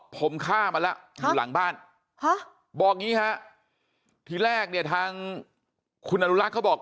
ผมฆ่ามาแล้วอยู่หลังบ้านบอกอย่างนี้ฮะทีแรกเนี่ยทางคุณอนุรักษ์เขาบอก